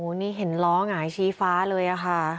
นี่เห็นล้อหงายชี้ฟ้าเลยค่ะ